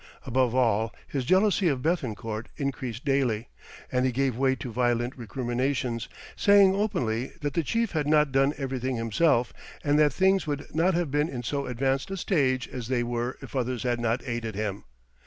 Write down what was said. Above all, his jealousy of Béthencourt increased daily, and he gave way to violent recriminations, saying openly that the chief had not done everything himself, and that things would not have been in so advanced a stage as they were if others had not aided him.